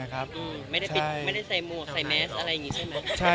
แต่มีมีครับ